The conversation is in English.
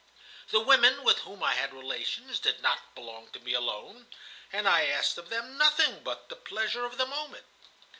The women with whom I had relations did not belong to me alone, and I asked of them nothing but the pleasure of the moment.